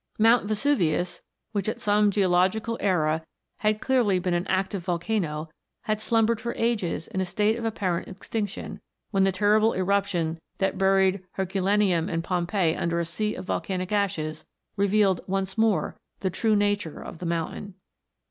Mount Vesuvius, which at some geological era had clearly been an active volcano, had slumbered for ages in a state of apparent extinction, when the terrible eruption that buried Herculaneum and Pompeii under a sea of volcanic ashes, revealed once more the true nature of the mountain.